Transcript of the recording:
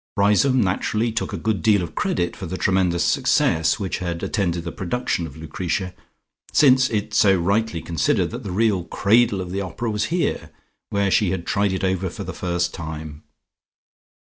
Riseholme naturally took a good deal of credit for the tremendous success which had attended the production of Lucretia, since it so rightly considered that the real cradle of the opera was here, where she had tried it over for the first time.